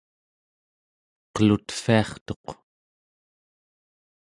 qelutviartuq